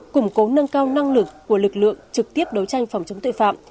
củng cố nâng cao năng lực của lực lượng trực tiếp đấu tranh phòng chống tội phạm